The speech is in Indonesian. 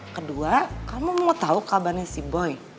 kedua kamu mau tahu kabarnya si boy